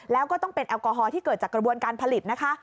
แล้วก็ต้องเป็นแอลกอฮอลที่เกิดจากกระบวนการผลิตนะคะ